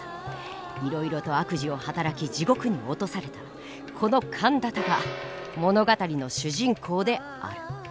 いろいろと悪事を働き地獄に落とされたこの陀多が物語の主人公である。